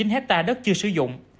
một hai mươi chín hectare đất chưa sử dụng